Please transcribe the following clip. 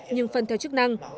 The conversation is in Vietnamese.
nhưng phân theo chức năng